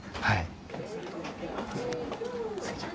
はい。